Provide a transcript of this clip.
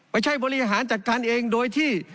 ไม่ใช่บริหารจัดการเองโดยที่